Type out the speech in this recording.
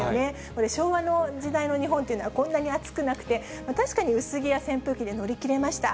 これ、昭和の時代の日本っていうのは、こんなに暑くなくて、確かに薄着や扇風機で乗り切れました。